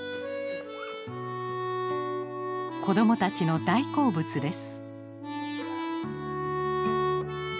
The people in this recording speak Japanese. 子どもたちの大好物です。